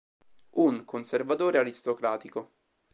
Un Conservatore aristocratico.